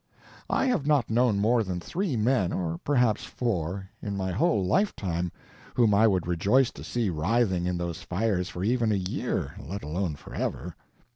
I have not known more than three men, or perhaps four, in my whole lifetime, whom I would rejoice to see writhing in those fires for even a year, let alone forever.